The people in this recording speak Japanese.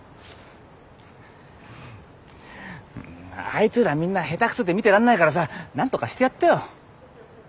あいつらみんな下手くそで見てらんないからさ何とかしてやってよ。